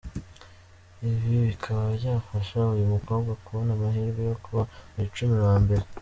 Ibi bikaba byafasha uyu mukobwa kubona amahirwe yo kuba mu icumi ba mbere.